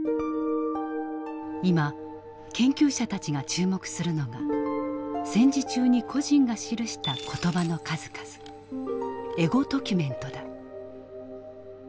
今研究者たちが注目するのが戦時中に個人が記した言葉の数々エゴドキュメントだ。